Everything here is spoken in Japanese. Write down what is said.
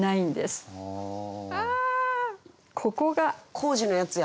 工事のやつや！